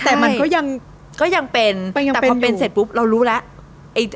แต่มันก็ยังเป็นแต่พอเป็นเสร็จปุ๊บเรารู้แล้ว